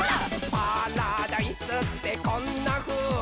「パラダイスってこんなふうーっ？」